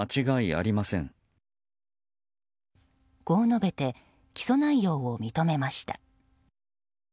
こう述べて起訴内容を認めました。